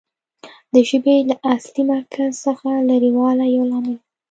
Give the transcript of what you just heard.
د ژبې له اصلي مرکز څخه لرې والی یو لامل و